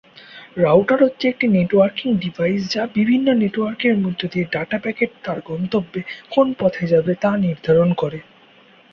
Router হচ্ছে একটি networking device যা বিভিন্ন নেটওয়ার্কের মধ্য দিয়ে ডাটা প্যাকেট তার গন্তব্যে কোন পথে যাবে তা নির্ধারণ করে।